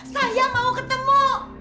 saya mau ketemu